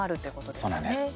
そうなんです。